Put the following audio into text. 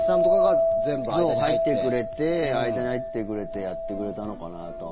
そう、入ってくれて間に入ってくれてやってくれたのかなとは思う。